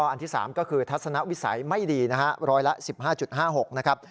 อันที่๓ก็คือทัศนวิสัยไม่ดีนะฮะร้อยละ๑๕๕๖นะครับ